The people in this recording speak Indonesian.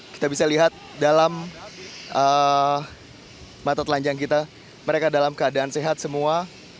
kita bisa lihat dalam mata telanjang kita mereka dalam keadaan sehat semua